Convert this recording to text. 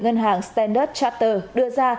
ngân hàng standard charter đưa ra